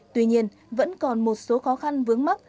tuy nhiên vẫn còn một số khó khăn vướng mắt